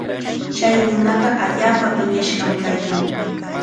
Chay nunaqa allaapa piñashqam kaykan.